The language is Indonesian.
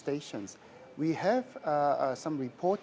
kami memiliki beberapa laporan